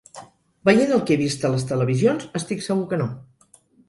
Veient el que he vist a les televisions, estic segur que no.